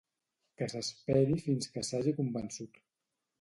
que s'esperi fins que s'hagi convençut